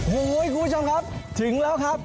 โอ้โหคุณผู้ชมครับถึงแล้วครับ